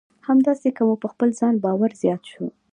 همداسې که مو په خپل ځان باور زیات شو.